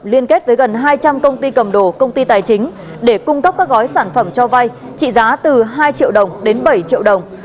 liên kết với gần hai trăm linh công ty cầm đồ công ty tài chính để cung cấp các gói sản phẩm cho vay trị giá từ hai triệu đồng đến bảy triệu đồng